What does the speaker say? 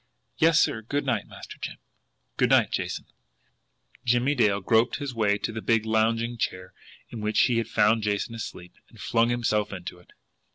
"Yes, sir. Good night, Master Jim." "Good night, Jason." Jimmie Dale groped his way to the big lounging chair in which he had found Jason asleep, and flung himself into it.